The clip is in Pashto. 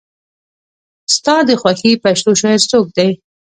ستا د خوښې پښتو شاعر څوک دی؟